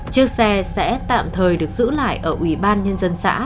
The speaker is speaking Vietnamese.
chiếc xe sẽ tạm thời được giữ lại ở ủy ban nhân dân xã